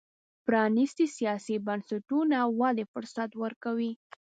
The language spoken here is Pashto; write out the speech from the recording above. پرانیستي سیاسي بنسټونه ودې فرصت ورکوي.